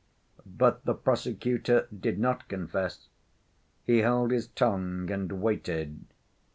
But the prosecutor did not confess. He held his tongue and waited.